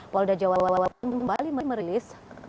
polda jawa wawang bali merilis